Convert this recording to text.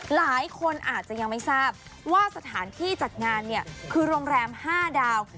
หลายคนอาจจะยังไม่ทราบว่าสถานที่จัดงานเนี่ยคือโรงแรม๕ดาว